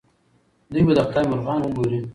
دوی به د خدای مرغان وګوري.